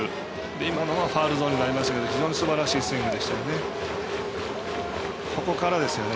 今のはファウルゾーンになりましたけど非常にすばらしいスイングでしたね。